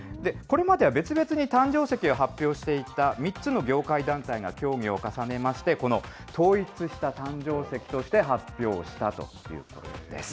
これまでは別々に誕生石を発表していた３つの業界団体が協議を重ねまして、この統一した誕生石として発表したということです。